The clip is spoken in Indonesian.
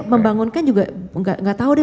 saya membangunkan juga gak tau deh